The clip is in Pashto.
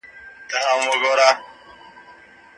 لکه عمر زیاتوالی، شپه کې د ادرار اړتیا.